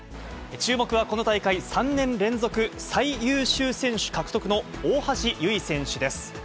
注目はこの大会３年連続最優秀選手獲得の大橋悠依選手です。